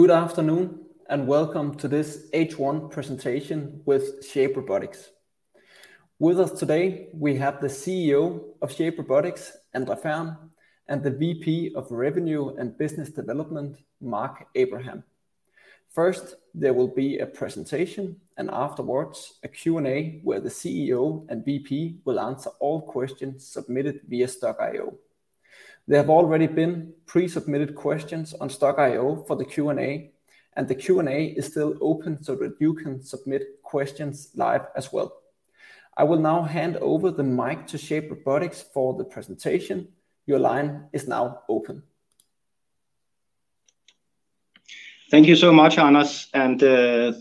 Good afternoon, and welcome to this H1 presentation with Shape Robotics. With us today, we have the CEO of Shape Robotics, André Fehrn, and the VP of Revenue and Business Development, Mark Abraham. First, there will be a presentation, and afterwards, a Q&A, where the CEO and VP will ans wer all questions submitted via Stokk.io. There have already been pre-submitted questions on Stokk.io for the Q&A, and the Q&A is still open so that you can submit questions live as well. I will now hand over the mic to Shape Robotics for the presentation. Your line is now open. Thank you so much, Anders, and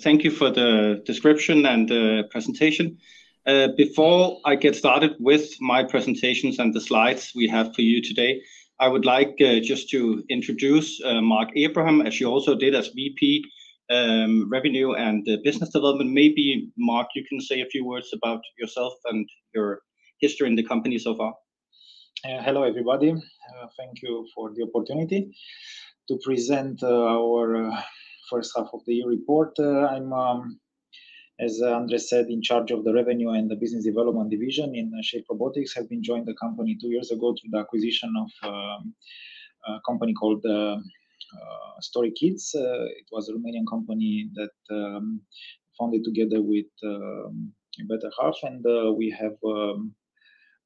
thank you for the description and the presentation. Before I get started with my presentations and the slides we have for you today, I would like just to introduce Mark Abraham, as you also did, as VP, Revenue and Business Development. Maybe, Mark, you can say a few words about yourself and your history in the company so far. Hello, everybody. Thank you for the opportunity to present our first half of the year report. I'm, as André said, in charge of the Revenue and the Business Development division in Shape Robotics. I've been joined the company two years ago through the acquisition of a company called StoryKids. It was a Romanian company that founded together with my better half, and we have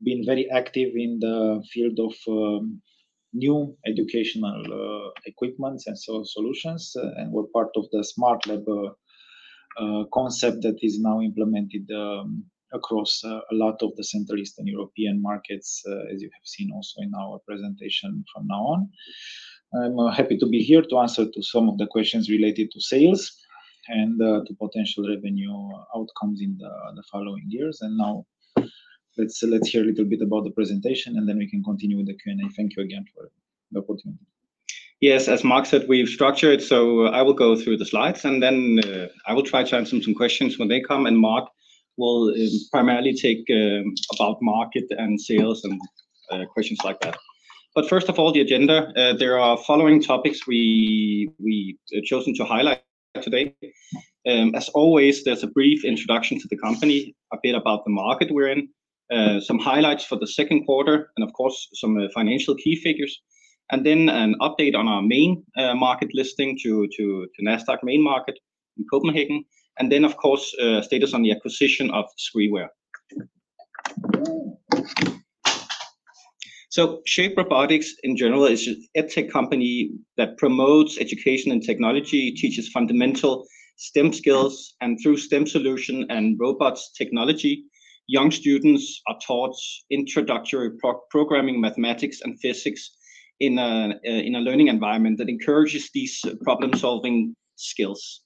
been very active in the field of new educational equipments and software solutions, and we're part of the Smart Lab concept that is now implemented across a lot of the Central Eastern European markets, as you have seen also in our presentation from now on. I'm happy to be here to answer to some of the questions related to sales and to potential revenue outcomes in the following years. And now, let's hear a little bit about the presentation, and then we can continue with the Q&A. Thank you again for the opportunity. Yes, as Mark said, we've structured, so I will go through the slides, and then, I will try to answer some questions when they come, and Mark will primarily take about market and sales and questions like that. But first of all, the agenda. There are following topics we chosen to highlight today. As always, there's a brief introduction to the company, a bit about the market we're in, some highlights for the second quarter, and of course, some financial key figures, and then an update on our main market listing to Nasdaq Main Market in Copenhagen, and then, of course, status on the acquisition of Skriware. So Shape Robotics in general is an EdTech company that promotes education and technology, teaches fundamental STEM skills, and through STEM solution and robots technology, young students are taught introductory pro-programming, mathematics, and physics in a in a learning environment that encourages these problem-solving skills.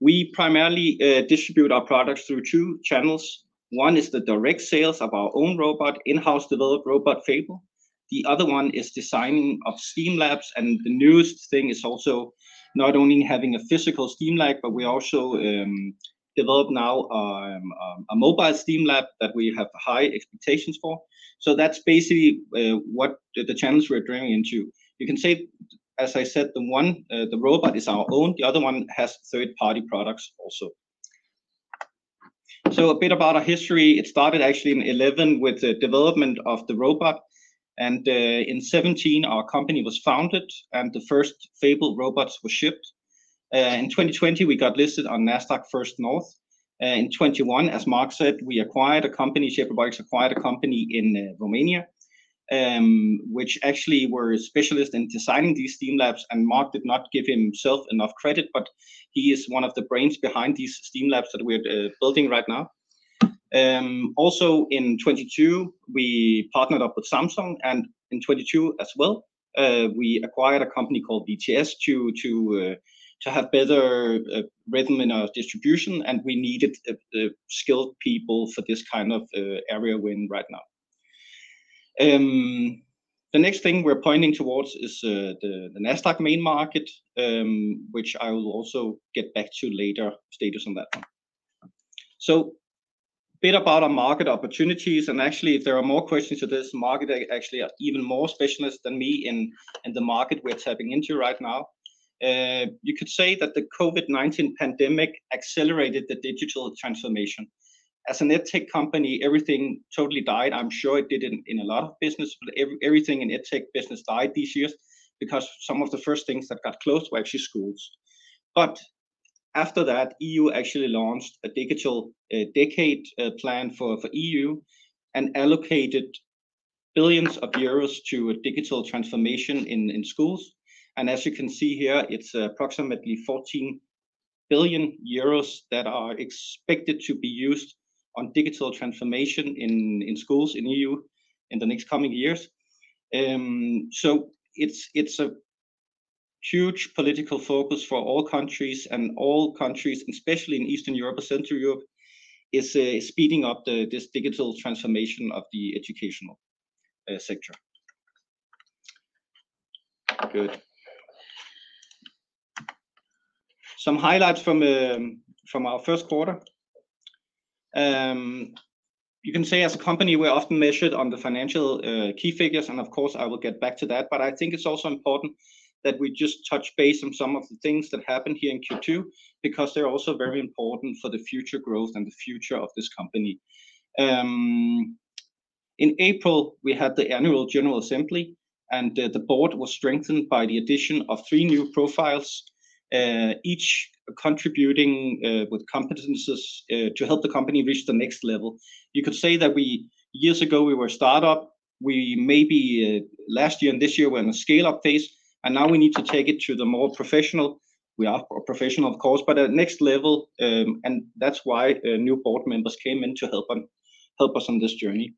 We primarily distribute our products through two channels. One is the direct sales of our own robot, in-house developed robot, Fable. The other one is designing of STEAM Labs, and the newest thing is also not only having a physical STEAM Lab, but we also develop now a mobile STEAM Lab that we have high expectations for. So that's basically what the channels we're driving into. You can say, as I said, the one the robot is our own, the other one has third-party products also. So a bit about our history. It started actually in 2011 with the development of the robot, and in 2017, our company was founded, and the first Fable robots were shipped. In 2020, we got listed on Nasdaq First North. In 2021, as Mark said, we acquired a company, Shape Robotics acquired a company in Romania, which actually were specialists in designing these STEAM Labs, and Mark did not give himself enough credit, but he is one of the brains behind these STEAM Labs that we're building right now. Also in 2022, we partnered up with Samsung, and in 2022 as well, we acquired a company called VTS to have better rhythm in our distribution, and we needed skilled people for this kind of area we're in right now. The next thing we're pointing towards is the Nasdaq Main Market, which I will also get back to later, status on that one. So bit about our market opportunities, and actually, if there are more questions to this, Mark actually are even more specialist than me in the market we're tapping into right now. You could say that the COVID-19 pandemic accelerated the digital transformation. As an EdTech company, everything totally died. I'm sure it did in a lot of business, but everything in EdTech business died these years because some of the first things that got closed were actually schools. But after that, EU actually launched a digital decade plan for EU and allocated billions of EUR to a digital transformation in schools. As you can see here, it's approximately 14 billion euros that are expected to be used on digital transformation in schools in EU in the next coming years. So it's a huge political focus for all countries, and all countries, especially in Eastern Europe or Central Europe, is speeding up this digital transformation of the educational sector. Good. Some highlights from our first quarter? You can say as a company, we're often measured on the financial key figures, and of course, I will get back to that. But I think it's also important that we just touch base on some of the things that happened here in Q2, because they're also very important for the future growth and the future of this company. In April, we had the annual general assembly, and the board was strengthened by the addition of three new profiles, each contributing with competencies to help the company reach the next level. You could say that years ago, we were a startup. We maybe last year and this year, we're in a scale-up phase, and now we need to take it to the more professional. We are professional, of course, but at next level, and that's why new board members came in to help us on this journey.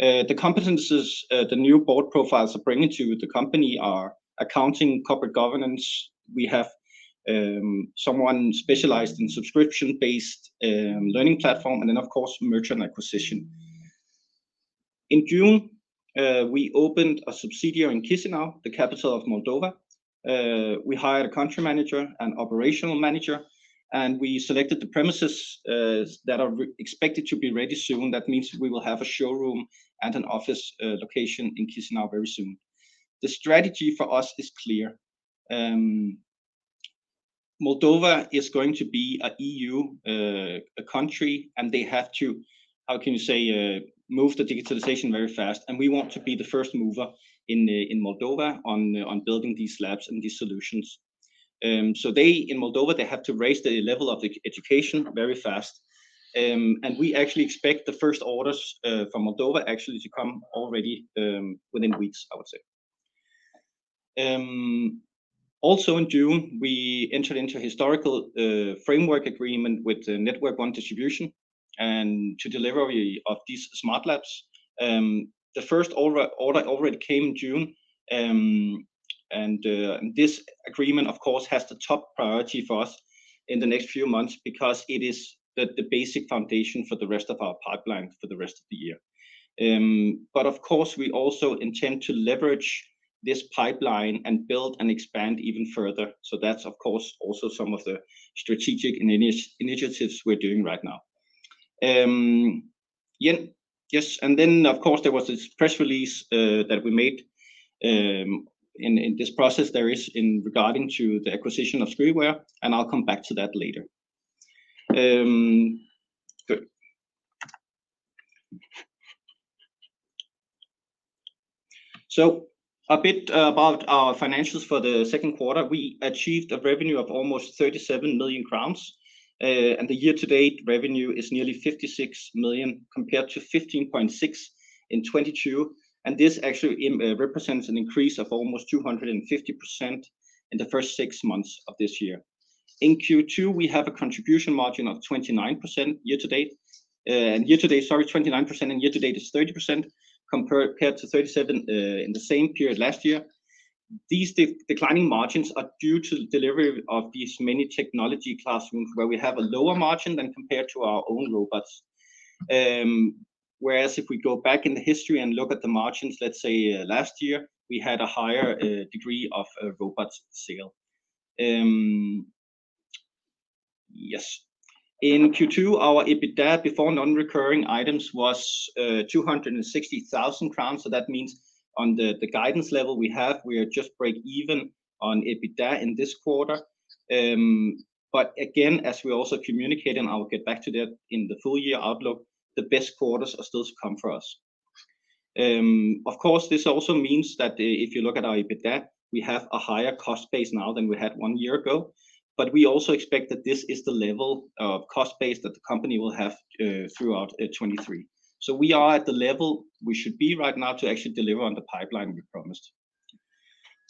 The competencies the new board profiles are bringing to the company are accounting, corporate governance. We have someone specialized in subscription-based learning platform and then, of course, mergers and acquisitions. In June, we opened a subsidiary in Chisinau, the capital of Moldova. We hired a country manager and operational manager, and we selected the premises that are expected to be ready soon. That means we will have a showroom and an office location in Chisinau very soon. The strategy for us is clear. Moldova is going to be an EU country, and they have to move the digitalization very fast, and we want to be the first mover in Moldova on building these labs and these solutions. So, in Moldova, they have to raise the level of the education very fast. And we actually expect the first orders from Moldova to come already within weeks, I would say. Also in June, we entered into a historical framework agreement with the Network One Distribution and to delivery of these smart labs. The first order already came in June. And this agreement, of course, has the top priority for us in the next few months because it is the basic foundation for the rest of our pipeline for the rest of the year. But of course, we also intend to leverage this pipeline and build and expand even further. So that's, of course, also some of the strategic initiatives we're doing right now. Yeah, yes, and then, of course, there was this press release that we made in this process there is in regarding to the acquisition of Skriware, and I'll come back to that later. Good. So a bit about our financials for the second quarter. We achieved a revenue of almost 37 million crowns, and the year-to-date revenue is nearly 56 million, compared to 15.6 in 2022, and this actually represents an increase of almost 250% in the first six months of this year. In Q2, we have a contribution margin of 29% year to date, and year to date, sorry, 29%, and year to date is 30%, compared to 37% in the same period last year. These declining margins are due to the delivery of these many technology classrooms, where we have a lower margin than compared to our own robots. Whereas if we go back in the history and look at the margins, let's say, last year, we had a higher degree of robot sales. Yes, in Q2, our EBITDA before non-recurring items was 260,000 crowns. So that means on the, the guidance level we have, we are just break even on EBITDA in this quarter. But again, as we also communicated, and I will get back to that in the full year outlook, the best quarters are still to come for us. Of course, this also means that if you look at our EBITDA, we have a higher cost base now than we had one year ago, but we also expect that this is the level of cost base that the company will have, throughout 2023. So we are at the level we should be right now to actually deliver on the pipeline we promised.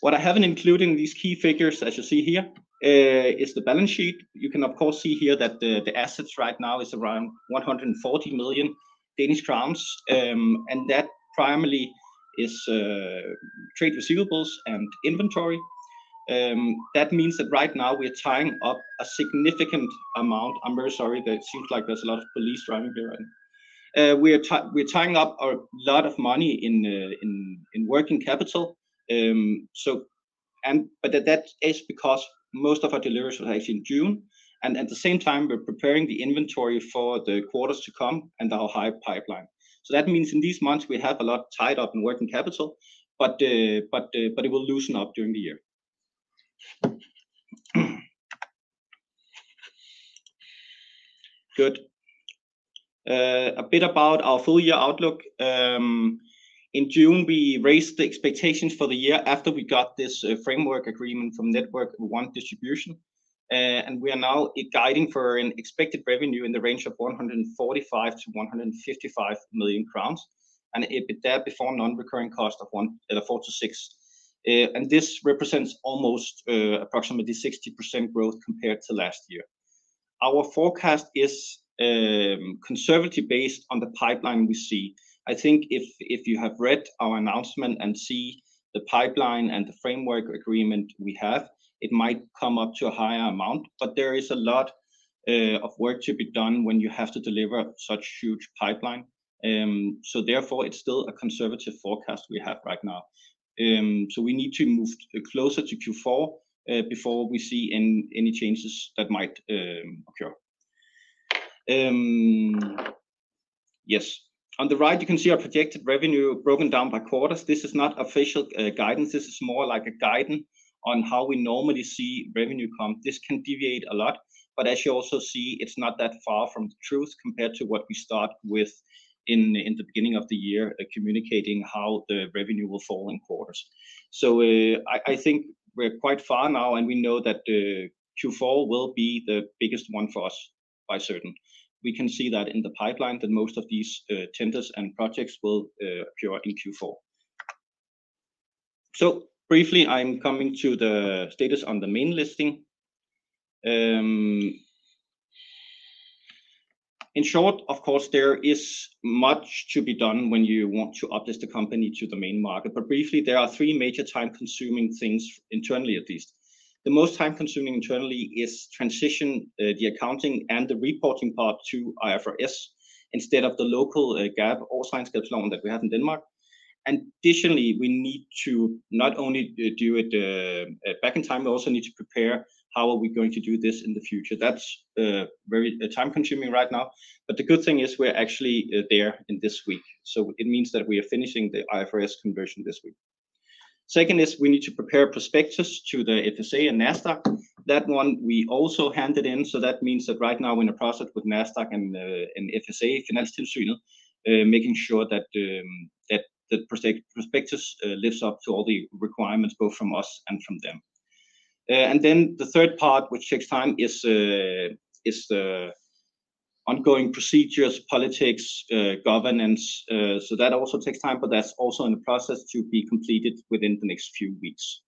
What I haven't included in these key figures, as you see here, is the balance sheet. You can, of course, see here that the assets right now is around 140 million Danish crowns, and that primarily is trade receivables and inventory. That means that right now we're tying up a significant amount. I'm very sorry that it seems like there's a lot of police driving by right now. We are tying up a lot of money in working capital. So and but that is because most of our deliveries were actually in June, and at the same time, we're preparing the inventory for the quarters to come and our high pipeline. So that means in these months, we have a lot tied up in working capital, but it will loosen up during the year. Good. A bit about our full year outlook. In June, we raised the expectations for the year after we got this framework agreement from Network One Distribution, and we are now guiding for an expected revenue in the range of 145 million-155 million crowns and EBITDA before non-recurring cost of 14 million-16 million. And this represents almost approximately 60% growth compared to last year. Our forecast is conservative, based on the pipeline we see. I think if you have read our announcement and see the pipeline and the framework agreement we have, it might come up to a higher amount, but there is a lot of work to be done when you have to deliver such huge pipeline. So therefore, it's still a conservative forecast we have right now. So we need to move closer to Q4 before we see any changes that might occur. Yes. On the right, you can see our projected revenue broken down by quarters. This is not official guidance, this is more like a guidance on how we normally see revenue come. This can deviate a lot, but as you also see, it's not that far from the truth compared to what we start with in the beginning of the year, communicating how the revenue will fall in quarters. So, I think we're quite far now, and we know that the Q4 will be the biggest one for us, quite certain. We can see that in the pipeline, that most of these tenders and projects will appear in Q4. So briefly, I'm coming to the status on the main listing. In short, of course, there is much to be done when you want to uplift the company to the main market. But briefly, there are three major time-consuming things, internally, at least. The most time-consuming internally is transition, the accounting and the reporting part to IFRS, instead of the local, GAAP or Danish schedule that we have in Denmark. Additionally, we need to not only do it, back in time, we also need to prepare how are we going to do this in the future? That's very time-consuming right now, but the good thing is we're actually there this week, so it means that we are finishing the IFRS conversion this week. Second is we need to prepare prospectus to the FSA and Nasdaq. That one we also handed in, so that means that right now we're in a process with Nasdaq and FSA, Financial Supervisory Authority, making sure that the prospectus lives up to all the requirements, both from us and from them. And then the third part, which takes time, is the ongoing procedures, politics, governance. So that also takes time, but that's also in the process to be completed within the next few weeks.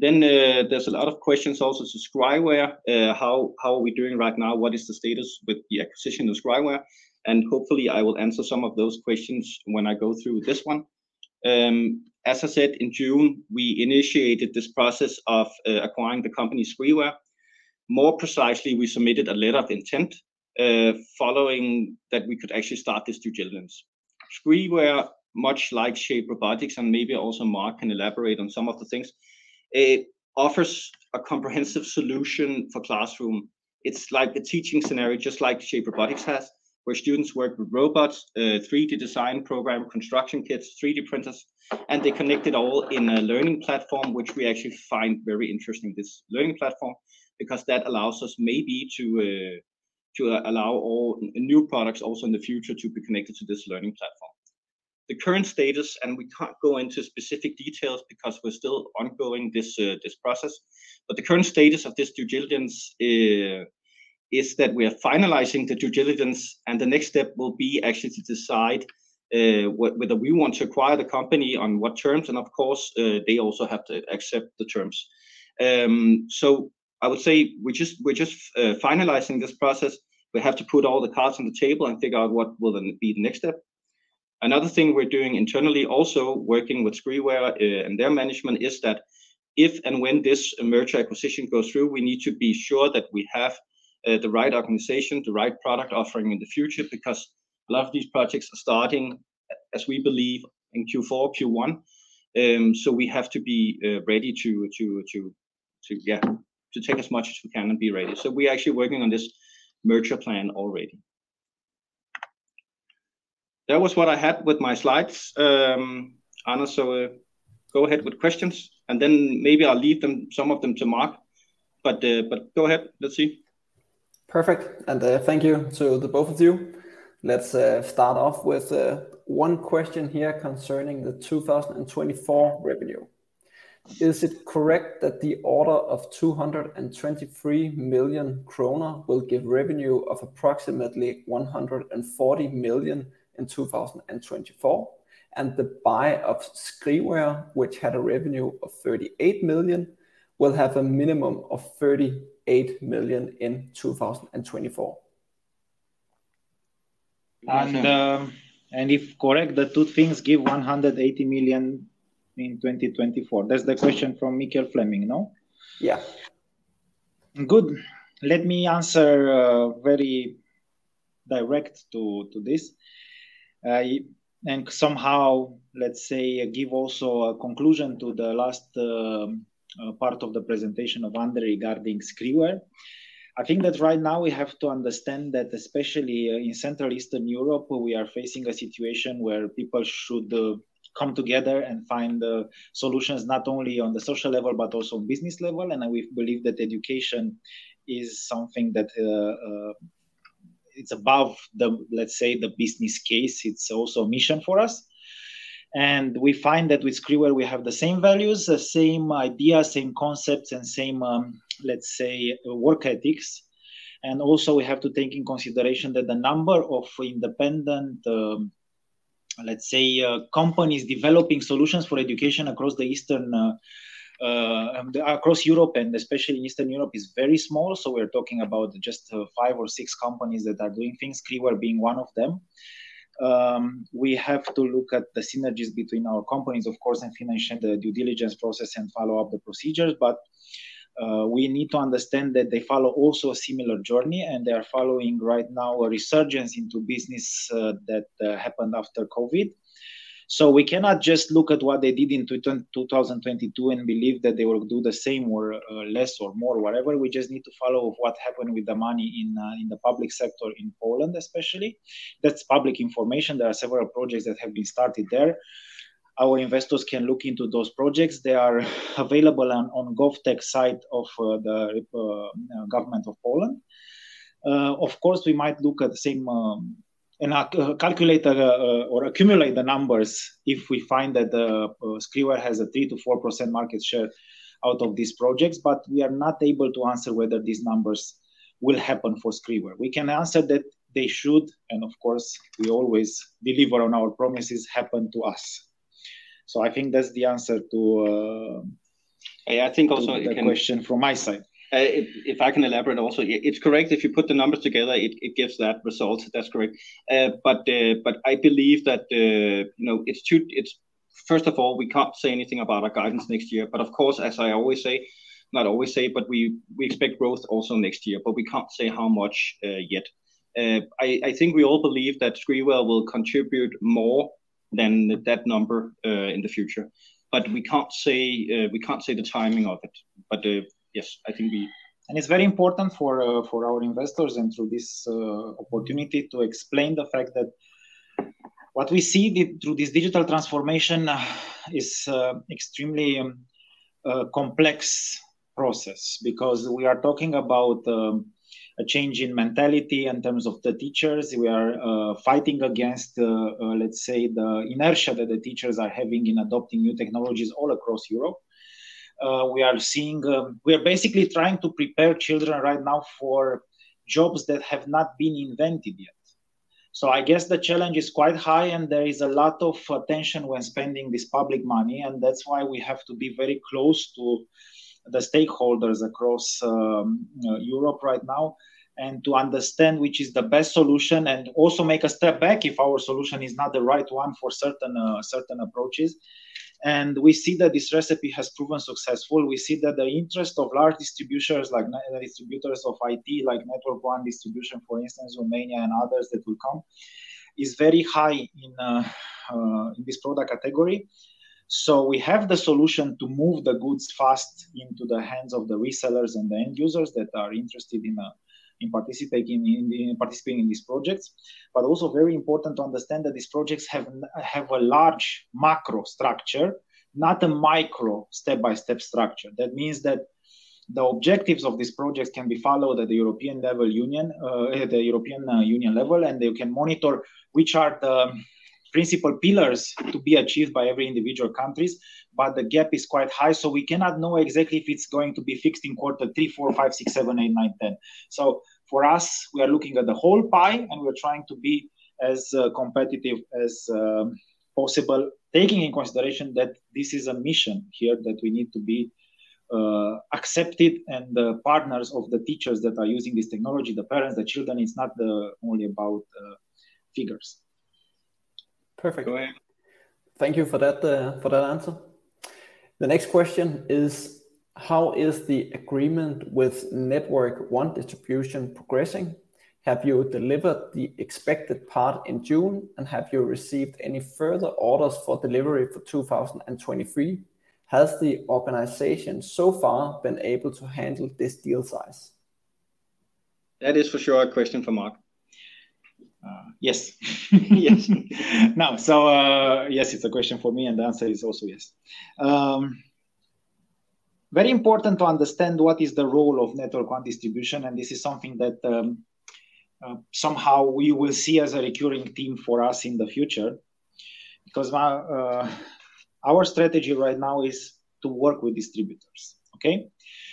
Then, there's a lot of questions also, Skriware, how are we doing right now? What is the status with the acquisition of Skriware? And hopefully, I will answer some of those questions when I go through this one. As I said, in June, we initiated this process of acquiring the company Skriware. More precisely, we submitted a letter of intent, following that we could actually start this due diligence. Skriware, much like Shape Robotics, and maybe also Mark can elaborate on some of the things, it offers a comprehensive solution for classroom. It's like a teaching scenario, just like Shape Robotics has, where students work with robots, 3D design program, construction kits, 3D printers, and they connect it all in a learning platform, which we actually find very interesting, this learning platform, because that allows us maybe to, to allow all new products also in the future to be connected to this learning platform. The current status, and we can't go into specific details because we're still ongoing this, this process, but the current status of this due diligence, is that we are finalizing the due diligence, and the next step will be actually to decide, whether we want to acquire the company on what terms, and of course, they also have to accept the terms. So I would say we're just finalizing this process. We have to put all the cards on the table and figure out what will be the next step. Another thing we're doing internally, also working with Skriware, and their management, is that if and when this merger acquisition goes through, we need to be sure that we have the right organization, the right product offering in the future, because a lot of these projects are starting, as we believe, in Q4, Q1. So we have to be ready to take as much as we can and be ready. So we are actually working on this merger plan already. That was what I had with my slides. André, so go ahead with questions, and then maybe I'll leave them, some of them to Mark. But go ahead. Let's see. Perfect, and thank you to the both of you. Let's start off with one question here concerning the 2024 revenue. Is it correct that the order of 223 million kroner will give revenue of approximately 140 million in 2024, and the buy of Skriware, which had a revenue of 38 million, will have a minimum of 38 million in 2024? If correct, the two things give 180 million in 2024. That's the question from Mikkel Fleming, no? Yeah. Good. Let me answer very direct to this. And somehow, let's say, give also a conclusion to the last part of the presentation of André regarding Skriware. I think that right now we have to understand that, especially in Central Eastern Europe, we are facing a situation where people should come together and find solutions, not only on the social level, but also business level. And we believe that education is something that it's above the, let's say, the business case. It's also a mission for us. And we find that with Skriware, we have the same values, the same ideas, same concepts, and same, let's say, work ethics. And also, we have to take in consideration that the number of independent, companies developing solutions for education across the Eastern, across Europe and especially in Eastern Europe, is very small. So we're talking about just five or six companies that are doing things, Skriware being one of them. We have to look at the synergies between our companies, of course, and finish the due diligence process and follow up the procedures. But, we need to understand that they follow also a similar journey, and they are following right now a resurgence into business, that, happened after COVID. So we cannot just look at what they did in 2022 and believe that they will do the same or, less or more, whatever. We just need to follow what happened with the money in the public sector in Poland, especially. That's public information. There are several projects that have been started there. Our investors can look into those projects. They are available on the GovTech site of the government of Poland. Of course, we might look at the same and calculate or accumulate the numbers if we find that Skriware has a 3%-4% market share out of these projects, but we are not able to answer whether these numbers will happen for Skriware. We can answer that they should, and of course, we always deliver on our promises happen to us. So I think that's the answer to I think also it can- the question from my side. If I can elaborate also. It's correct, if you put the numbers together, it gives that result. That's correct. But I believe that, you know, it's first of all, we can't say anything about our guidance next year, but of course, as I always say, not always say, but we expect growth also next year, but we can't say how much yet. I think we all believe that Skriware will contribute more than that number in the future, but we can't say the timing of it. But yes, I think we- It's very important for our investors and through this opportunity to explain the fact that what we see through this digital transformation is extremely complex process, because we are talking about a change in mentality in terms of the teachers. We are fighting against, let's say, the inertia that the teachers are having in adopting new technologies all across Europe. We are basically trying to prepare children right now for jobs that have not been invented yet. So I guess the challenge is quite high, and there is a lot of attention when spending this public money, and that's why we have to be very close to the stakeholders across Europe right now, and to understand which is the best solution, and also make a step back if our solution is not the right one for certain approaches. We see that this recipe has proven successful. We see that the interest of large distributors, like distributors of IT, like Network One Distribution, for instance, Romania and others that will come, is very high in this product category. So we have the solution to move the goods fast into the hands of the resellers and the end users that are interested in participating in these projects. But also very important to understand that these projects have a large macro structure, not a micro step-by-step structure. That means that the objectives of these projects can be followed at the European level Union, at the European Union level, and they can monitor which are the principal pillars to be achieved by every individual countries, but the gap is quite high, so we cannot know exactly if it's going to be fixed in quarter three, four, five, six, seven, eight, nine, ten. So for us, we are looking at the whole pie, and we're trying to be as, competitive as, possible, taking in consideration that this is a mission here, that we need to be, accepted and the partners of the teachers that are using this technology, the parents, the children, it's not, only about, figures. Perfect. Go ahead. Thank you for that, for that answer. The next question is: How is the agreement with Network One Distribution progressing? Have you delivered the expected part in June, and have you received any further orders for delivery for 2023? Has the organization so far been able to handle this deal size? That is for sure a question for Mark. Yes. Yes. No. So, yes, it's a question for me, and the answer is also yes. Very important to understand what is the role of Network One Distribution, and this is something that, somehow we will see as a recurring theme for us in the future, because our strategy right now is to work with distributors, okay?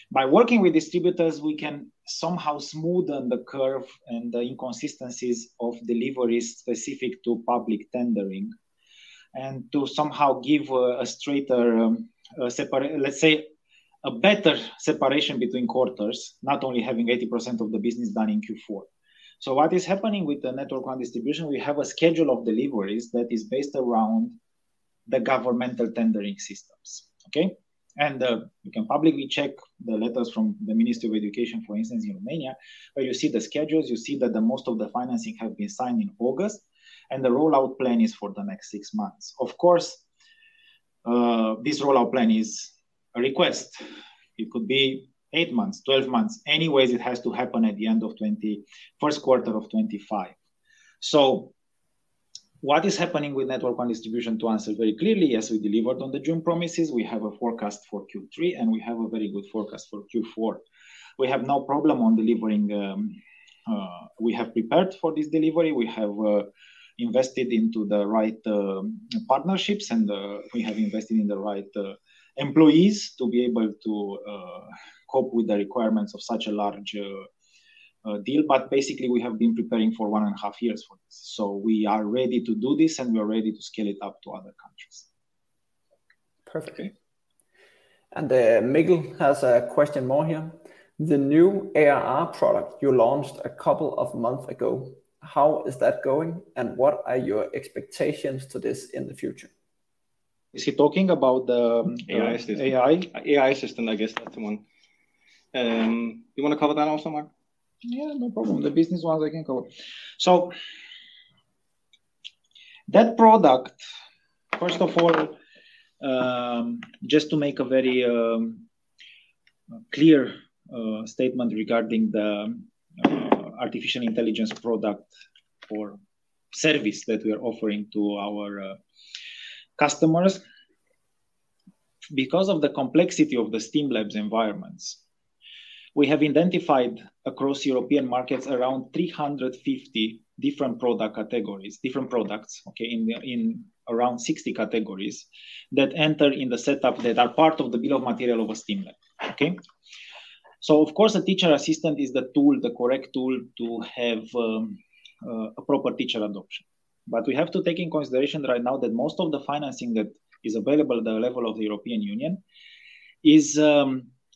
By working with distributors, we can somehow smoothen the curve and the inconsistencies of deliveries specific to public tendering, and to somehow give a straighter, let's say, a better separation between quarters, not only having 80% of the business done in Q4. So what is happening with the Network One Distribution, we have a schedule of deliveries that is based around the governmental tendering systems, okay? You can publicly check the letters from the Ministry of Education, for instance, in Romania, where you see the schedules, you see that the most of the financing have been signed in August, and the rollout plan is for the next six months. Of course, this rollout plan is a request. It could be eight months, 12 months. Anyways, it has to happen at the end of 2024 - first quarter of 2025. So what is happening with Network One Distribution? To answer very clearly, yes, we delivered on the June promises. We have a forecast for Q3, and we have a very good forecast for Q4. We have no problem on delivering, we have prepared for this delivery. We have invested into the right partnerships, and we have invested in the right employees to be able to cope with the requirements of such a large deal. But basically, we have been preparing for one and a half years for this. So we are ready to do this, and we are ready to scale it up to other countries. Perfect. Okay. Miguel has a question more here. The new ARR product you launched a couple of months ago, how is that going, and what are your expectations to this in the future?... Is he talking about the- AI system. AI? AI assistant, I guess that's the one. You wanna cover that also, Omar? Yeah, no problem. The business ones I can cover. So that product, first of all, just to make a very clear statement regarding the artificial intelligence product or service that we are offering to our customers. Because of the complexity of the STEAM Labs environments, we have identified across European markets around 350 different product categories, different products, okay, in around 60 categories, that enter in the setup that are part of the bill of material of a STEAM Lab, okay? So of course, the teacher assistant is the tool, the correct tool to have a proper teacher adoption. But we have to take in consideration right now that most of the financing that is available at the level of the European Union is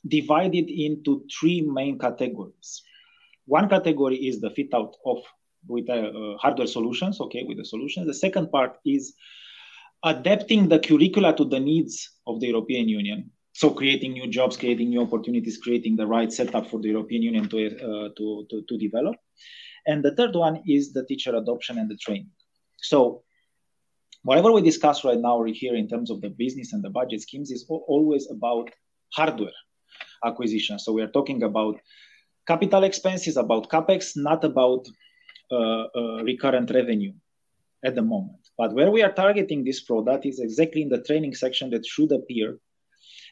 divided into three main categories. One category is the fit out of with hardware solutions, okay, with the solutions. The second part is adapting the curricula to the needs of the European Union. So creating new jobs, creating new opportunities, creating the right setup for the European Union to develop. And the third one is the teacher adoption and the training. So whatever we discuss right now here in terms of the business and the budget schemes, is always about hardware acquisition. So we are talking about capital expenses, about CapEx, not about recurrent revenue at the moment. But where we are targeting this product is exactly in the training section that should appear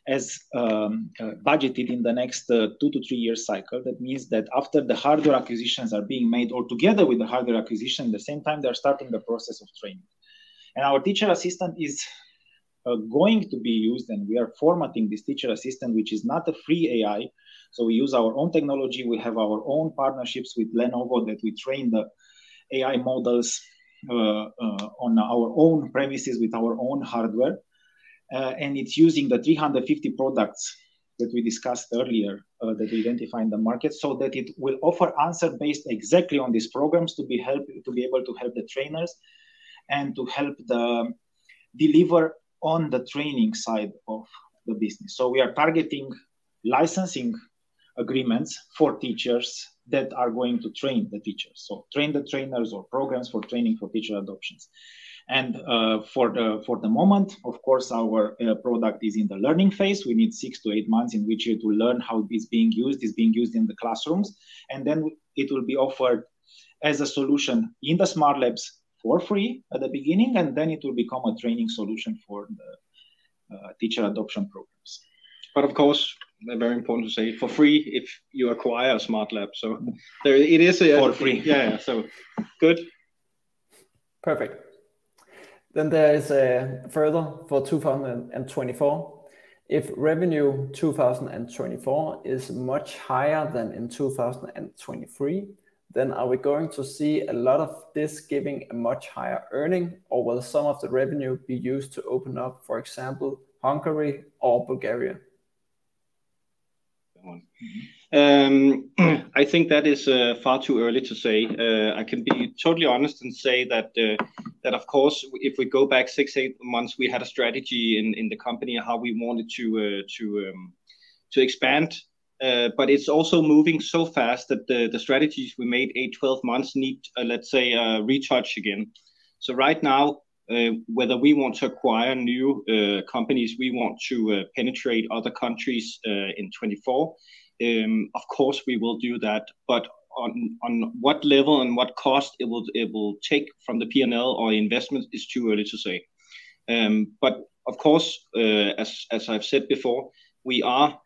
as budgeted in the next 2-3-year cycle. That means that after the hardware acquisitions are being made, or together with the hardware acquisition, at the same time, they're starting the process of training. And our teacher assistant is going to be used, and we are formatting this teacher assistant, which is not a free AI. So we use our own technology. We have our own partnerships with Lenovo, that we train the AI models on our own premises with our own hardware. And it's using the 350 products that we discussed earlier that we identified in the market, so that it will offer answer based exactly on these programs to be able to help the trainers, and to help the deliver on the training side of the business. So we are targeting licensing agreements for teachers that are going to train the teachers. Train the trainers or programs for training for teacher adoptions. For the moment, of course, our product is in the learning phase. We need 6-8 months in which it will learn how it's being used in the classrooms, and then it will be offered as a solution in the Smart Labs for free at the beginning, and then it will become a training solution for the teacher adoption programs. Of course, very important to say, for free, if you acquire a Smart Lab, so there it is a- For free. Yeah. So good. Perfect. Then there is further for 2024. If revenue 2024 is much higher than in 2023, then are we going to see a lot of this giving a much higher earnings, or will some of the revenue be used to open up, for example, Hungary or Bulgaria? That one. I think that is far too early to say. I can be totally honest and say that, of course, if we go back eight, eight months, we had a strategy in the company of how we wanted to expand. But it's also moving so fast that the strategies we made eight, 12 months need, let's say, a retouch again. So right now, whether we want to acquire new companies, we want to penetrate other countries in 2024, of course we will do that. But on what level and what cost it will take from the P&L or the investment is too early to say. But of course, as I've said before, we are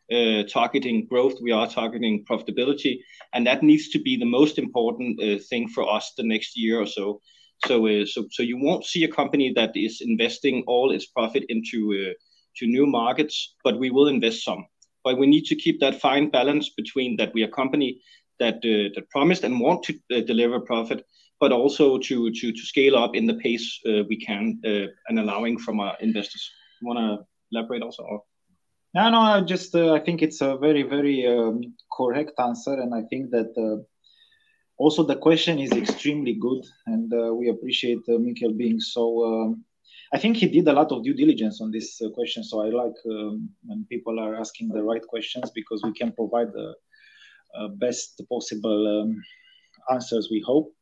targeting growth, we are targeting profitability, and that needs to be the most important thing for us the next year or so. So, you won't see a company that is investing all its profit into to new markets, but we will invest some. But we need to keep that fine balance between that we are a company that that promised and want to deliver profit, but also to scale up in the pace we can and allowing from our investors. You wanna elaborate also or? No, no, I just, I think it's a very, very, correct answer, and I think that, also the question is extremely good, and, we appreciate, Mikkel being so... I think he did a lot of due diligence on this, question. So I like, when people are asking the right questions because we can provide the, best possible, answers, we hope.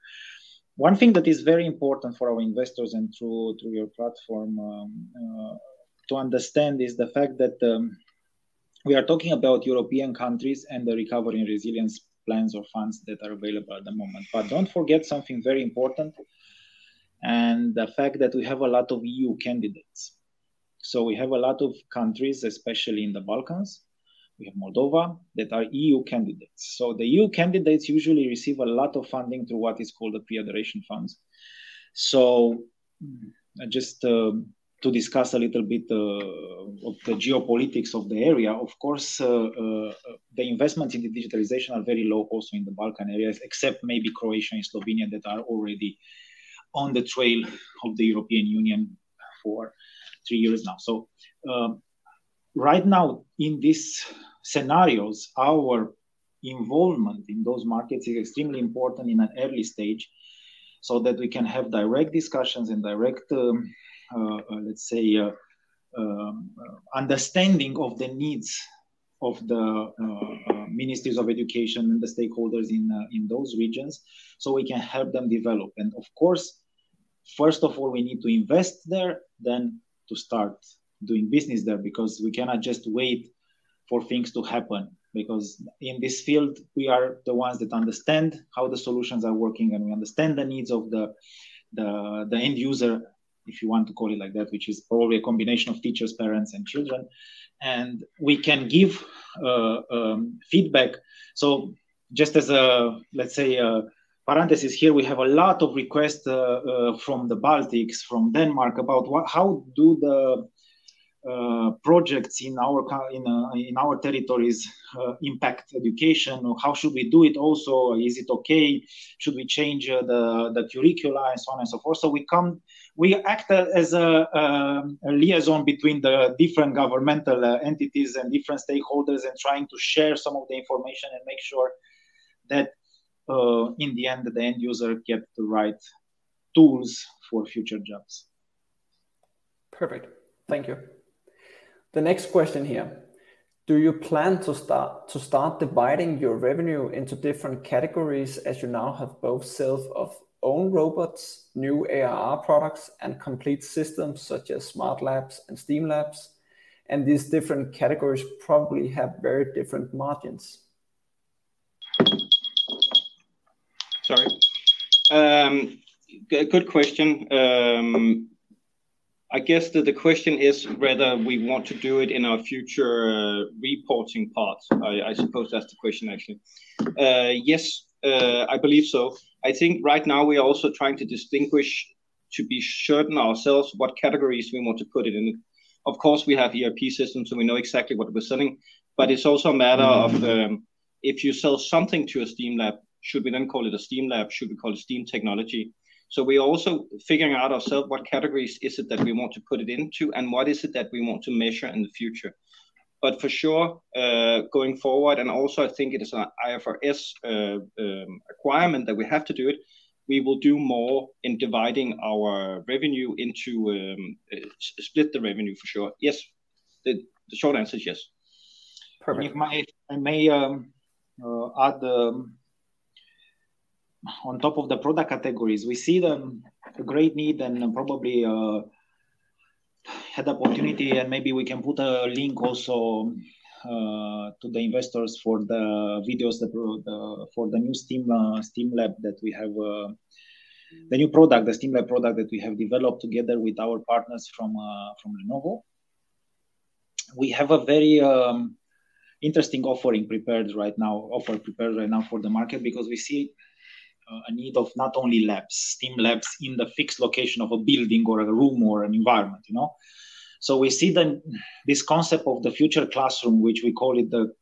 One thing that is very important for our investors and through your platform, to understand, is the fact that, we are talking about European countries and the recovery and resilience plans or funds that are available at the moment. But don't forget something very important, and the fact that we have a lot of EU candidates. So we have a lot of countries, especially in the Balkans, we have Moldova, that are EU candidates. So the EU candidates usually receive a lot of funding through what is called the pre-accession funds. So, just, to discuss a little bit, of the geopolitics of the area, of course, the investments in the digitalization are very low also in the Balkan areas, except maybe Croatia and Slovenia, that are already on the trail of the European Union for two years now. So, right now, in these scenarios, our involvement in those markets is extremely important in an early stage, so that we can have direct discussions and direct, let's say, understanding of the needs of the, ministries of education and the stakeholders in, in those regions, so we can help them develop. Of course, first of all, we need to invest there, then to start doing business there, because we cannot just wait for things to happen. Because in this field, we are the ones that understand how the solutions are working, and we understand the needs of the end user, if you want to call it like that, which is probably a combination of teachers, parents, and children. And we can give feedback. So just as a, let's say, a parenthesis here, we have a lot of requests from the Baltics, from Denmark, about how do the projects in our territories impact education, or how should we do it also? Is it okay? Should we change the curricula, and so on and so forth. We act as a liaison between the different governmental entities and different stakeholders, and trying to share some of the information and make sure that, in the end, the end user get the right tools for future jobs. Perfect. Thank you. The next question here: Do you plan to start dividing your revenue into different categories, as you now have both sales of own robots, new ARR products, and complete systems such as Smart Labs and STEAM Labs? These different categories probably have very different margins. Sorry. Good question. I guess that the question is whether we want to do it in our future reporting parts. I suppose that's the question, actually. Yes, I believe so. I think right now we are also trying to distinguish, to be certain ourselves, what categories we want to put it in. Of course, we have ERP systems, so we know exactly what we're selling, but it's also a matter of, if you sell something to a STEAM Lab, should we then call it a STEAM Lab? Should we call it STEAM Technology? So we're also figuring out ourselves what categories is it that we want to put it into, and what is it that we want to measure in the future. But for sure, going forward, and also I think it is an IFRS requirement that we have to do it, we will do more in dividing our revenue into split the revenue, for sure. Yes. The short answer is yes. Perfect. If I may add, on top of the product categories, we see the great need and probably had opportunity, and maybe we can put a link also to the investors for the videos that for the new STEAM Lab that we have. The new product, the STEAM Lab product that we have developed together with our partners from from Lenovo. We have a very interesting offering prepared right now for the market, because we see a need of not only labs, STEAM Labs in the fixed location of a building or a room or an environment, you know? So we see this concept of the future classroom, which we call it the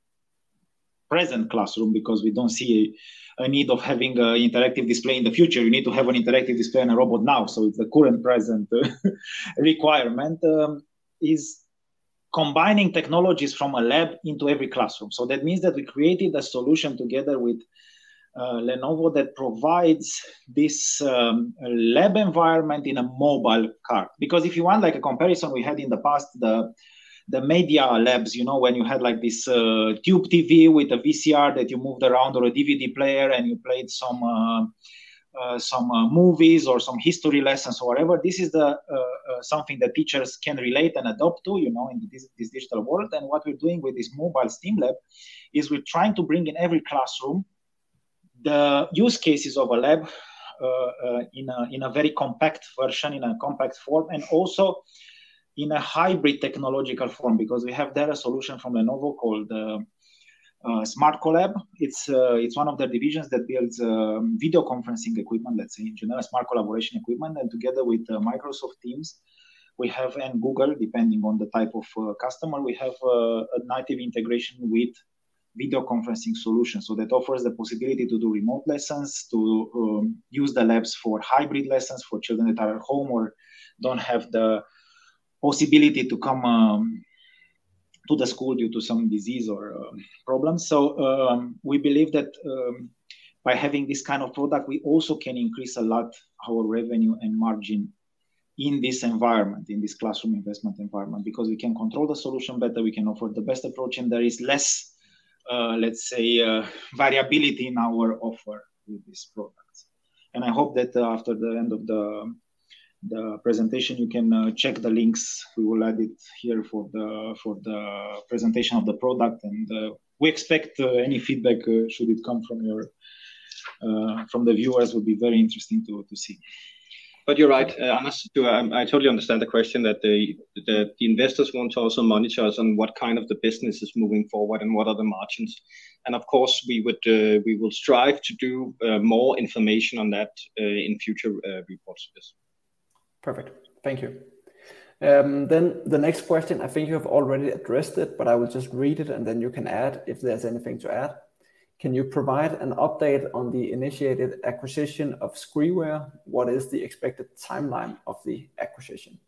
present classroom, because we don't see a need of having a interactive display in the future. You need to have an interactive display and a robot now, so it's the current present requirement is combining technologies from a lab into every classroom. So that means that we created a solution together with Lenovo that provides this lab environment in a mobile cart. Because if you want like a comparison we had in the past, the media labs, you know, when you had like this tube TV with a VCR that you moved around, or a DVD player, and you played some movies or some history lessons or whatever, this is something that teachers can relate and adopt to, you know, in this digital world. And what we're doing with this mobile STEAM Lab is we're trying to bring in every classroom the use cases of a lab, in a very compact version, in a compact form, and also in a hybrid technological form, because we have there a solution from Lenovo called ThinkSmart. It's one of their divisions that builds video conferencing equipment, let's say, in general, smart collaboration equipment. And together with Microsoft Teams and Google, depending on the type of customer, we have a native integration with video conferencing solutions. So that offers the possibility to do remote lessons, to use the labs for hybrid lessons for children that are at home or don't have the possibility to come to the school due to some disease or problems. So, we believe that by having this kind of product, we also can increase a lot our revenue and margin in this environment, in this classroom investment environment, because we can control the solution better, we can offer the best approach, and there is less, let's say, variability in our offer with this product. And I hope that after the end of the presentation, you can check the links. We will add it here for the presentation of the product. And we expect any feedback should it come from your from the viewers, would be very interesting to see. But you're right, Anders, too. I totally understand the question, that the investors want to also monitor us on what kind of the business is moving forward and what are the margins. And of course, we would, we will strive to do more information on that in future reports. Yes. Perfect. Thank you. Then the next question, I think you have already addressed it, but I will just read it, and then you can add if there's anything to add.... Can you provide an update on the initiated acquisition of Skriware? What is the expected timeline of the acquisition?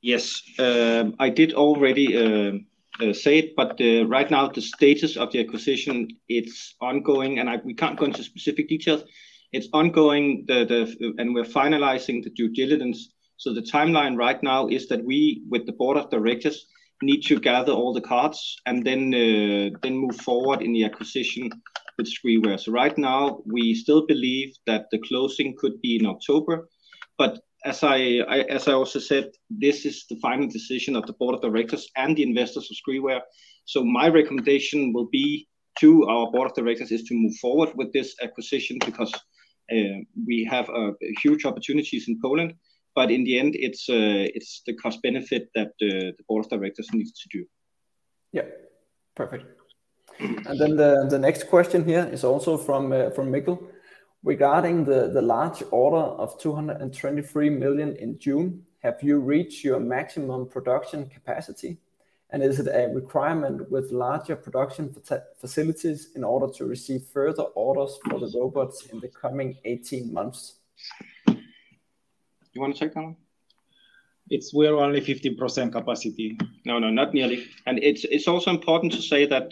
Yes. I did already say it, but right now the status of the acquisition, it's ongoing, and we can't go into specific details. It's ongoing and we're finalizing the due diligence. So the timeline right now is that we, with the board of directors, need to gather all the cards and then move forward in the acquisition with Skriware. So right now, we still believe that the closing could be in October, but as I also said, this is the final decision of the board of directors and the investors of Skriware. So my recommendation will be to our board of directors, is to move forward with this acquisition, because we have huge opportunities in Poland, but in the end, it's the cost benefit that the board of directors needs to do. Yeah, perfect. And then the next question here is also from Mikkel: Regarding the large order of 223 million in June, have you reached your maximum production capacity? And is it a requirement with larger production facilities in order to receive further orders for the robots in the coming 18 months? You want to take that one? It's, we're only 15% capacity. No, no, not nearly. And it's, it's also important to say that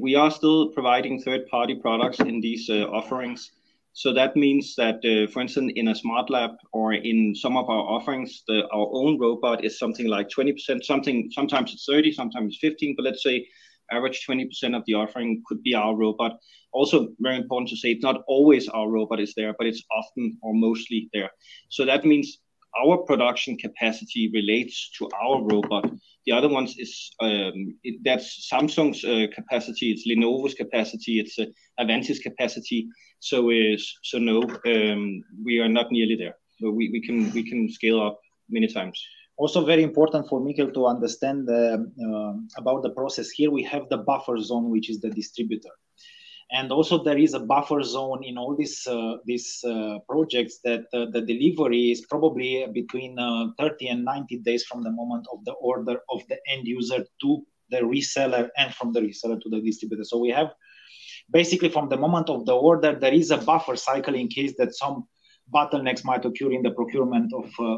we are still providing third-party products in these offerings. So that means that for instance, in a Smart Lab or in some of our offerings, our own robot is something like 20%, sometimes it's 30%, sometimes 15%, but let's say average 20% of the offering could be our robot. Also, very important to say, it's not always our robot is there, but it's often or mostly there. So that means our production capacity relates to our robot. The other ones is, that's Samsung's capacity, it's Lenovo's capacity, it's Avantis capacity. So is so no, we are not nearly there, but we, we can, we can scale up many times. Also very important for Mikkel to understand about the process here, we have the buffer zone, which is the distributor. And also there is a buffer zone in all these projects that the delivery is probably between 30 and 90 days from the moment of the order of the end user to the reseller and from the reseller to the distributor. So we have basically from the moment of the order, there is a buffer cycle in case that some bottlenecks might occur in the procurement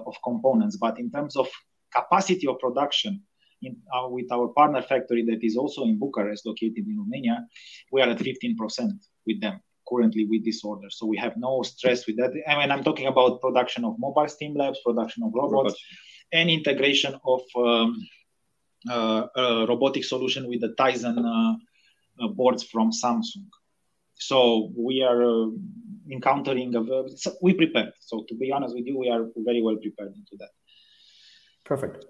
of components. But in terms of capacity of production, in with our partner factory that is also in Bucharest, located in Romania, we are at 15% with them currently with this order, so we have no stress with that. And I'm talking about production of mobile STEAM Labs, production of robots- Robots. Integration of a robotic solution with the Tizen boards from Samsung. So we are encountering. We prepared. So to be honest with you, we are very well prepared into that. Perfect.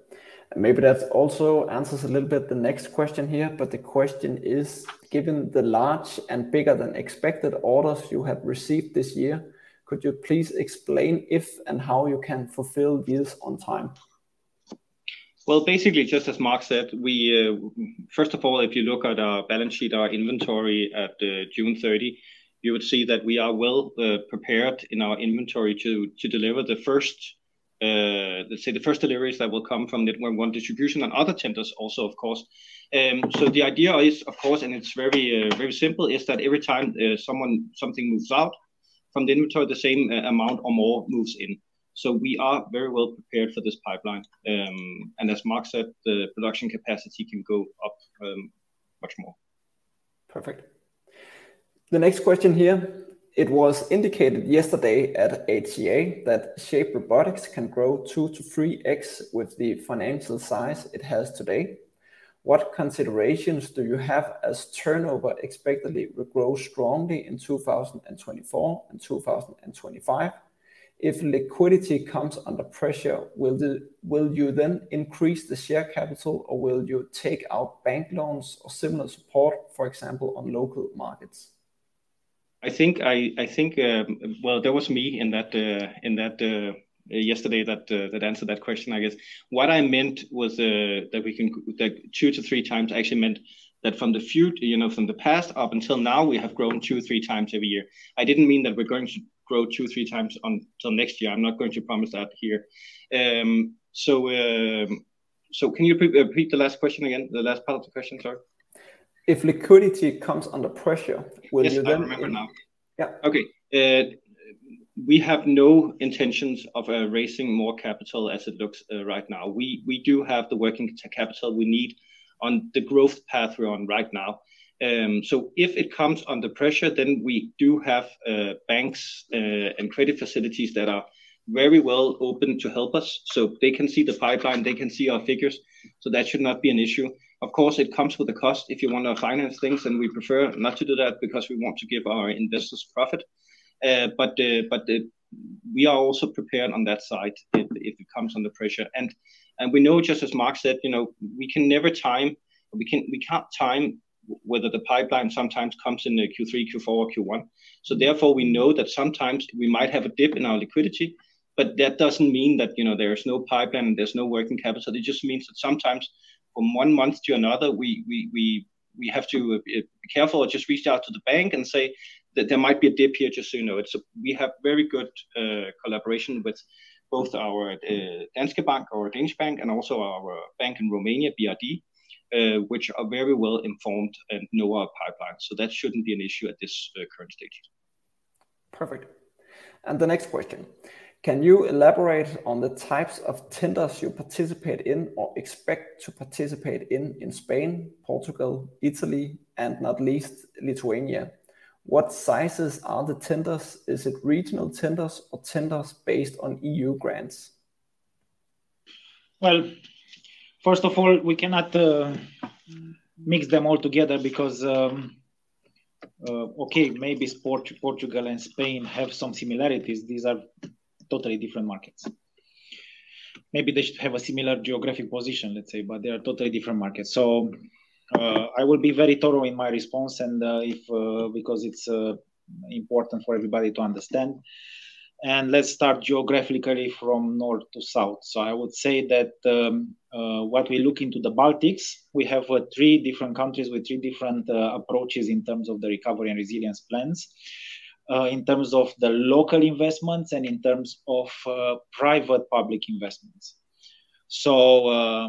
And maybe that also answers a little bit the next question here, but the question is: Given the large and bigger than expected orders you have received this year, could you please explain if and how you can fulfill these on time? Well, basically, just as Mark said, we... First of all, if you look at our balance sheet, our inventory at June 30, you would see that we are well prepared in our inventory to deliver the first, let's say, the first deliveries that will come from Network One Distribution and other tenders also, of course. So the idea is, of course, and it's very, very simple, is that every time, something moves out from the inventory, the same amount or more moves in. So we are very well prepared for this pipeline. And as Mark said, the production capacity can go up much more. Perfect. The next question here: It was indicated yesterday at Atea that Shape Robotics can grow 2-3x with the financial size it has today. What considerations do you have as turnover expectedly will grow strongly in 2024 and 2025? If liquidity comes under pressure, will you then increase the share capital, or will you take out bank loans or similar support, for example, on local markets? I think, well, that was me in that yesterday that answered that question, I guess. What I meant was, that 2-3 times, I actually meant that, you know, from the past up until now, we have grown two or three times every year. I didn't mean that we're going to grow 2-3 times till next year. I'm not going to promise that here. So, can you repeat the last question again? The last part of the question, sorry. If liquidity comes under pressure, will you then- Yes, I remember now. Yeah. Okay. We have no intentions of raising more capital as it looks right now. We, we do have the working capital we need on the growth path we're on right now. So if it comes under pressure, then we do have banks and credit facilities that are very well open to help us. So they can see the pipeline, they can see our figures, so that should not be an issue. Of course, it comes with a cost if you want to finance things, and we prefer not to do that because we want to give our investors profit. But we are also prepared on that side, if it comes under pressure. We know, just as Mark said, you know, we can never time, we can't time whether the pipeline sometimes comes in the Q3, Q4, Q1. So therefore, we know that sometimes we might have a dip in our liquidity, but that doesn't mean that, you know, there is no pipeline and there's no working capital. It just means that sometimes from one month to another, we have to be careful or just reach out to the bank and say that there might be a dip here, just so you know. It's. We have very good collaboration with both our Danske Bank, our Danish bank, and also our bank in Romania, BRD, which are very well informed and know our pipeline, so that shouldn't be an issue at this current stage. Perfect. And the next question: Can you elaborate on the types of tenders you participate in or expect to participate in, in Spain, Portugal, Italy, and not least, Lithuania? What sizes are the tenders? Is it regional tenders or tenders based on EU grants? Well, first of all, we cannot mix them all together because, okay, maybe Portugal and Spain have some similarities. These are totally different markets. Maybe they should have a similar geographic position, let's say, but they are totally different markets. So, I will be very thorough in my response, and, if, because it's important for everybody to understand. Let's start geographically from north to south. So I would say that, when we look into the Baltics, we have three different countries with three different approaches in terms of the recovery and resilience plans, in terms of the local investments and in terms of private-public investments. So,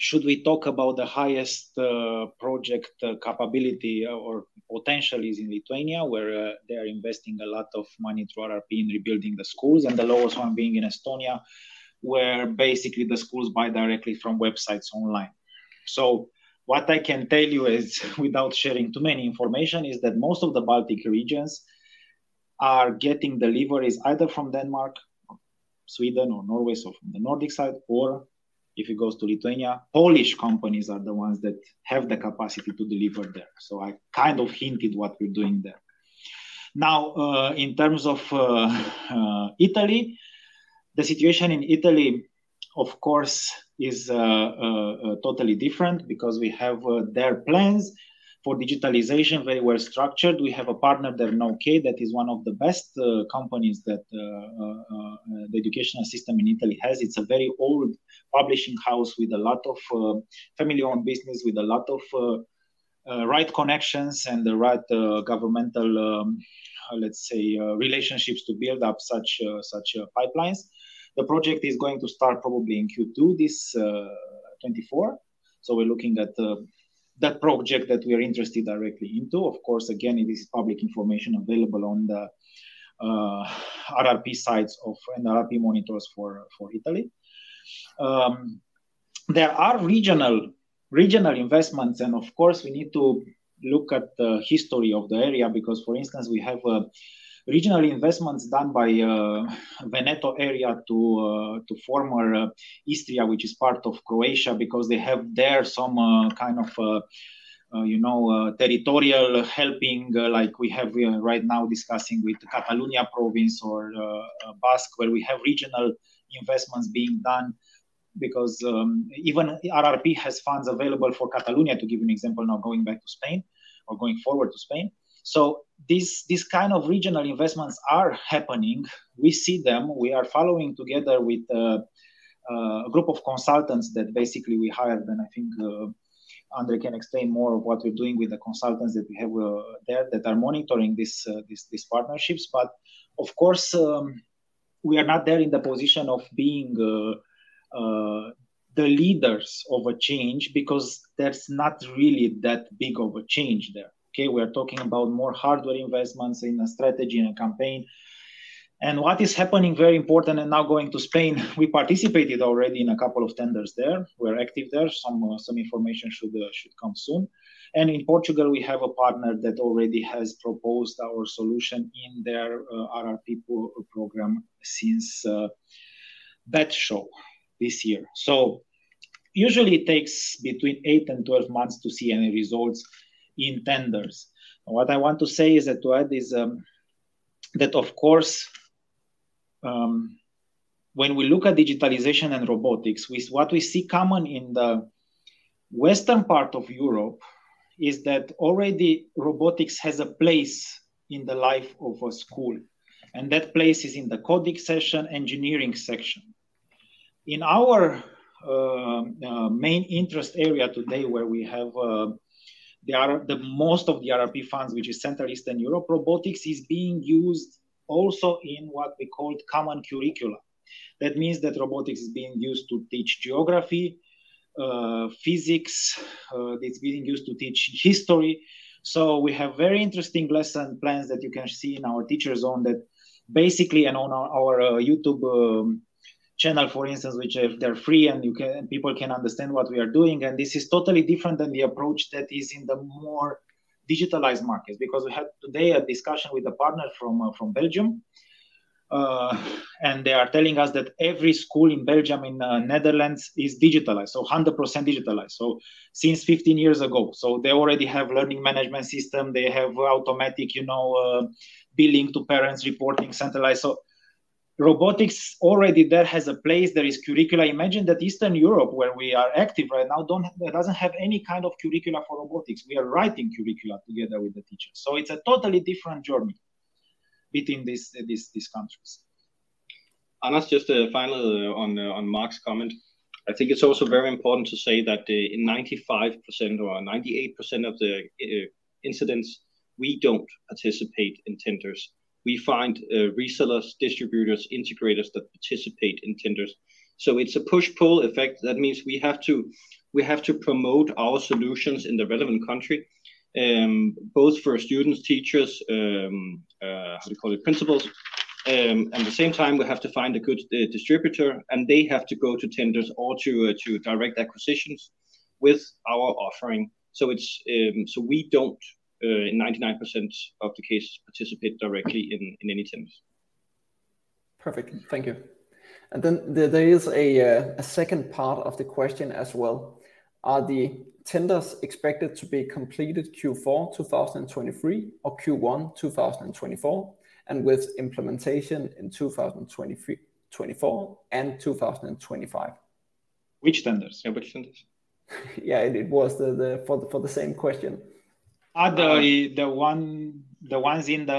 should we talk about the highest project capability or potential is in Lithuania, where they are investing a lot of money through RRP in rebuilding the schools, and the lowest one being in Estonia, where basically the schools buy directly from websites online. So what I can tell you is, without sharing too many information, is that most of the Baltic regions are getting deliveries either from Denmark, Sweden or Norway, so from the Nordic side, or if it goes to Lithuania, Polish companies are the ones that have the capacity to deliver there. So I kind of hinted what we're doing there. Now, in terms of Italy, the situation in Italy, of course, is totally different because we have their plans for digitalization very well structured. We have a partner there in Italy that is one of the best companies that the educational system in Italy has. It's a very old publishing house with a lot of family-owned business, with a lot of right connections and the right governmental, let's say, such pipelines. The project is going to start probably in Q2 2024. So we're looking at that project that we are interested directly into. Of course, again, it is public information available on the RRP sites of, and RRP monitors for Italy. There are regional, regional investments, and of course, we need to look at the history of the area, because, for instance, we have regional investments done by Veneto area to to former Istria, which is part of Croatia, because they have there some kind of, you know, territorial helping, like we have right now discussing with Catalonia province or Basque, where we have regional investments being done. Because even RRP has funds available for Catalonia, to give you an example, now going back to Spain or going forward to Spain. So these, these kind of regional investments are happening. We see them. We are following together with a group of consultants that basically we hired, and I think André can explain more of what we're doing with the consultants that we have there that are monitoring these partnerships. But of course, we are not there in the position of being the leaders of a change because there's not really that big of a change there, okay? We are talking about more hardware investments in a strategy and a campaign. And what is happening, very important, and now going to Spain, we participated already in a couple of tenders there. We're active there. Some information should come soon. And in Portugal, we have a partner that already has proposed our solution in their RRP program since that show this year. So usually, it takes between 8-12 months to see any results in tenders. What I want to say is that to add is, that of course, when we look at digitalization and robotics, with what we see common in the western part of Europe is that already robotics has a place in the life of a school, and that place is in the coding section, engineering section. In our main interest area today, where we have the most of the RRP funds, which is Central and Eastern Europe, robotics is being used also in what we call common curricula. That means that robotics is being used to teach geography, physics, it's being used to teach history. So we have very interesting lesson plans that you can see in our Teacher Zone that basically, and on our YouTube channel, for instance, which are-- they're free, and you can-- and people can understand what we are doing. And this is totally different than the approach that is in the more digitalized markets, because we had today a discussion with a partner from Belgium, and they are telling us that every school in Belgium, in Netherlands, is digitalized. So 100% digitalized, so since 15 years ago. So they already have learning management system, they have automatic, you know, billing to parents, reporting centralized. So robotics already there has a place, there is curricula. Imagine that Eastern Europe, where we are active right now, doesn't have any kind of curricula for robotics. We are writing curricula together with the teachers. It's a totally different journey between these countries. Just a final on, on Mark's comment. I think it's also very important to say that the, in 95% or 98% of the, incidents, we don't participate in tenders. We find, resellers, distributors, integrators that participate in tenders. So it's a push-pull effect. That means we have to, we have to promote our solutions in the relevant country both for students, teachers, how do you call it? Principals. At the same time, we have to find a good distributor, and they have to go to tenders or to direct acquisitions with our offering. So it's so we don't, in 99% of the cases, participate directly in any tenders. Perfect. Thank you. And then there is a second part of the question as well. Are the tenders expected to be completed Q4 2023 or Q1 2024, and with implementation in 2023, 2024 and 2025? Which tenders? Yeah, which tenders? Yeah, it was the for the same question. Are the ones in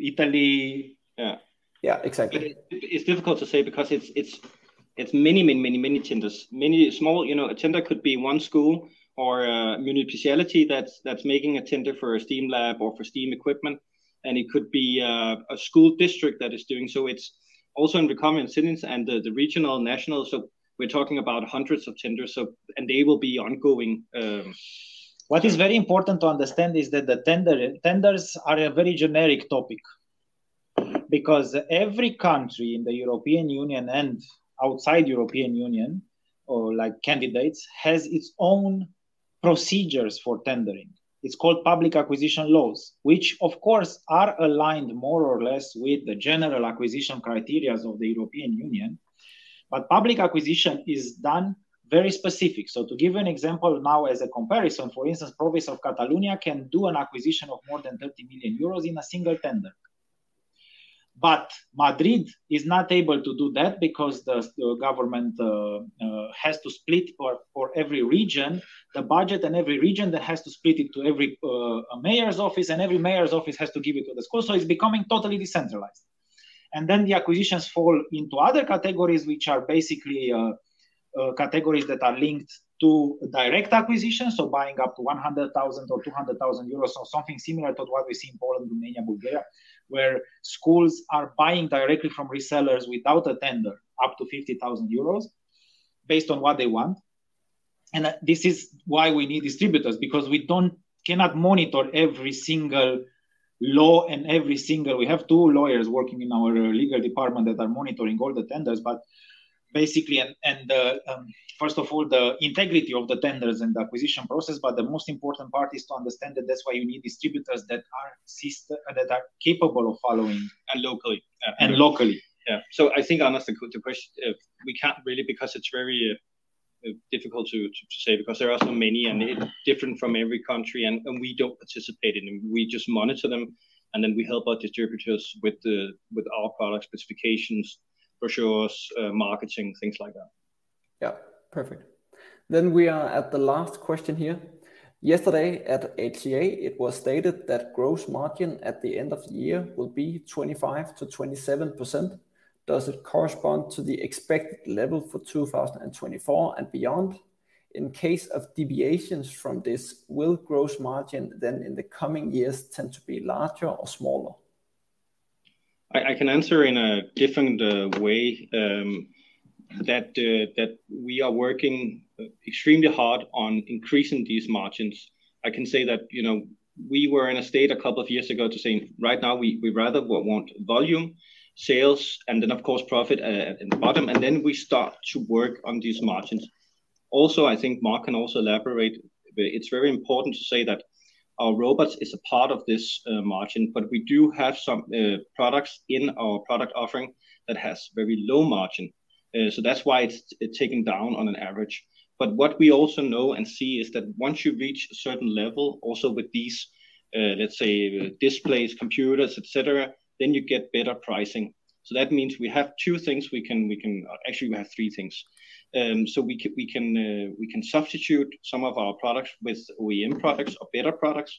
Italy... Yeah. Yeah, exactly. It's difficult to say because it's many, many, many, many tenders. Many small... You know, a tender could be one school or a municipality that's making a tender for a STEAM Lab or for STEAM equipment, and it could be a school district that is doing. So it's also in the common cities and the regional, national. So we're talking about hundreds of tenders, so—and they will be ongoing. What is very important to understand is that the tender, tenders are a very generic topic. Because every country in the European Union and outside European Union, or like candidates, has its own procedures for tendering. It's called public acquisition laws, which of course, are aligned more or less with the general acquisition criteria of the European Union, but public acquisition is done very specific. So to give an example now as a comparison, for instance, province of Catalonia can do an acquisition of more than 30 million euros in a single tender. But Madrid is not able to do that because the government has to split for every region, the budget and every region that has to split it to every mayor's office, and every mayor's office has to give it to the school. So it's becoming totally decentralized. Then the acquisitions fall into other categories, which are basically categories that are linked to direct acquisition, so buying up to 100,000 or 200,000 euros, or something similar to what we see in Poland, Romania, Bulgaria, where schools are buying directly from resellers without a tender, up to 50,000 euros based on what they want. And this is why we need distributors, because we cannot monitor every single law and every single... We have two lawyers working in our legal department that are monitoring all the tenders. But basically, first of all, the integrity of the tenders and the acquisition process, but the most important part is to understand that that's why you need distributors that are sys- that are capable of following- And locally. And locally. Yeah. So I think, Anders, to go to question, we can't really because it's very difficult to say, because there are so many, and it's different from every country, and we don't participate in them. We just monitor them, and then we help our distributors with our product specifications, brochures, marketing, things like that. Yeah, perfect. Then we are at the last question here. Yesterday, at HCA, it was stated that gross margin at the end of the year will be 25%-27%. Does it correspond to the expected level for 2024 and beyond? In case of deviations from this, will gross margin then in the coming years tend to be larger or smaller? I can answer in a different way, that we are working extremely hard on increasing these margins. I can say that, you know, we were in a state a couple of years ago to saying, "Right now, we rather want volume, sales, and then, of course, profit in the bottom, and then we start to work on these margins." Also, I think Mark can also elaborate, but it's very important to say that our robots is a part of this margin, but we do have some products in our product offering that has very low margin. So that's why it's taken down on an average. But what we also know and see is that once you reach a certain level, also with these, let's say, displays, computers, et cetera, then you get better pricing. So that means we have two things we can. Actually, we have three things. So we can substitute some of our products with OEM products or better products.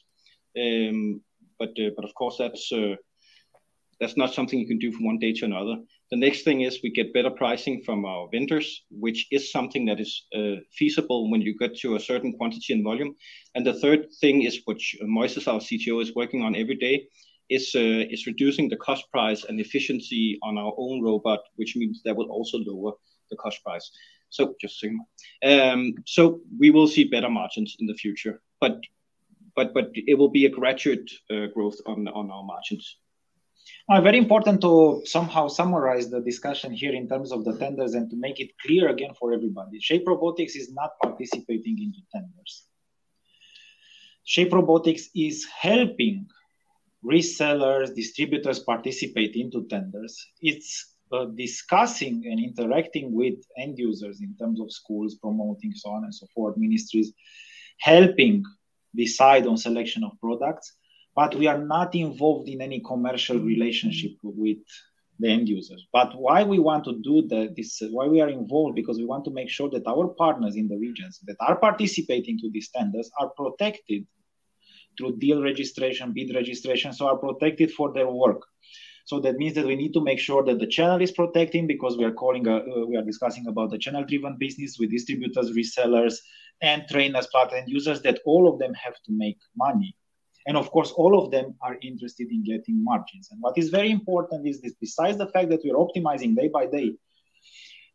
But of course, that's not something you can do from one day to another. The next thing is we get better pricing from our vendors, which is something that is feasible when you get to a certain quantity and volume. And the third thing is, which Moises, our CTO, is working on every day, is reducing the cost price and efficiency on our own robot, which means that will also lower the cost price. So we will see better margins in the future, but it will be a gradual growth on our margins. Very important to somehow summarize the discussion here in terms of the tenders and to make it clear again for everybody, Shape Robotics is not participating in the tenders. Shape Robotics is helping resellers, distributors participate into tenders. It's discussing and interacting with end users in terms of schools, promoting, so on and so forth, ministries, helping decide on selection of products, but we are not involved in any commercial relationship with the end users. But why we want to do this, why we are involved? Because we want to make sure that our partners in the regions that are participating to these tenders are protected through deal registration, bid registration, so are protected for their work. So that means that we need to make sure that the channel is protecting, because we are calling, we are discussing about the channel-driven business with distributors, resellers, and trainers, but end users, that all of them have to make money. And of course, all of them are interested in getting margins. And what is very important is this, besides the fact that we are optimizing day by day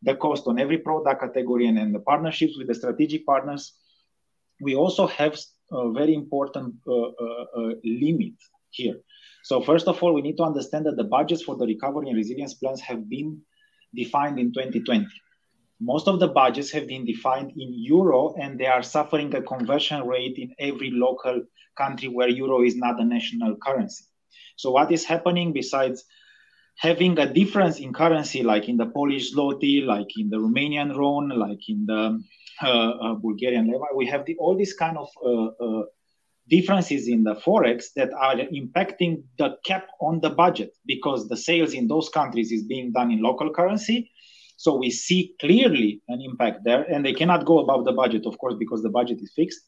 the cost on every product category and then the partnerships with the strategic partners, we also have a very important limit here. So first of all, we need to understand that the budgets for the Recovery and Resilience Plans have been defined in 2020. Most of the budgets have been defined in euro, and they are suffering a conversion rate in every local country where euro is not a national currency. So what is happening, besides having a difference in currency, like in the Polish zloty, like in the Romanian RON, like in the Bulgarian leva, we have all these kind of differences in the Forex that are impacting the cap on the budget, because the sales in those countries is being done in local currency. So we see clearly an impact there, and they cannot go above the budget, of course, because the budget is fixed.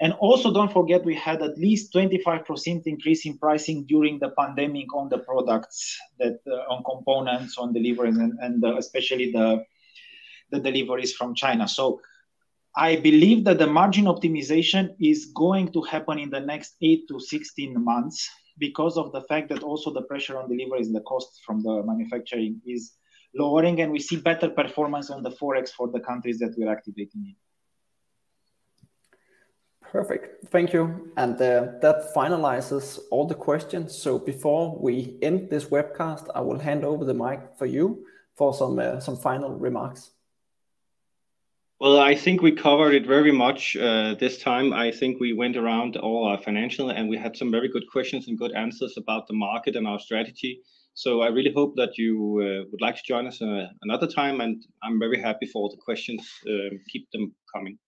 And also, don't forget, we had at least 25% increase in pricing during the pandemic on the products, that on components, on deliveries, and especially the deliveries from China. I believe that the margin optimization is going to happen in the next 8-16 months because of the fact that also the pressure on deliveries and the cost from the manufacturing is lowering, and we see better performance on the Forex for the countries that we are activating in. Perfect. Thank you. That finalizes all the questions. Before we end this webcast, I will hand over the mic for you for some final remarks. Well, I think we covered it very much this time. I think we went around all our financial, and we had some very good questions and good answers about the market and our strategy. So I really hope that you would like to join us another time, and I'm very happy for all the questions. Keep them coming. Thank you.